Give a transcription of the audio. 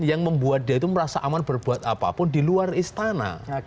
yang membuat dia itu merasa aman berbuat apapun di luar istana